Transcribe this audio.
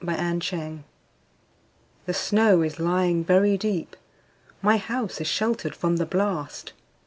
Convention THE SNOW is lying very deep.My house is sheltered from the blast.